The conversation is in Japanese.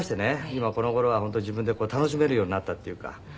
今この頃は本当に自分で楽しめるようになったっていうか。